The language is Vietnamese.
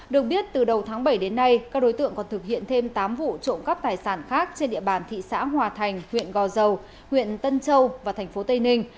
được biết từ đầu tháng bảy đến nay các đối tượng còn thực hiện thêm tám vụ trộm cắp tài sản khác trên địa bàn thị xã hòa thành huyện gò dầu huyện tân châu và thành phố tây ninh